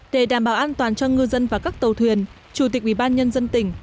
để đảm bảo an toàn cho ngư dân và các tàu thuyền chủ tịch ủy ban nhân dân tỉnh